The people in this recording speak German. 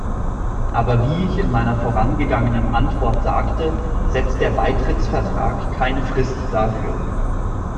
Aber wie ich in meiner vorangegangenen Antwort sagte, setzt der Beitrittsvertrag keine Frist dafür.